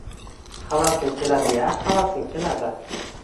Havasing keladi-ya, havasing keladi